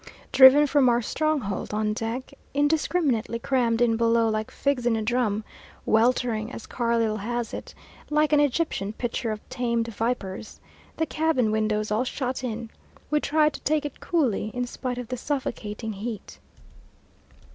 Driven from our stronghold on deck, indiscriminately crammed in below like figs in a drum; "weltering," as Carlyle has it, "like an Egyptian pitcher of tamed vipers," the cabin windows all shut in, we tried to take it coolly, in spite of the suffocating heat.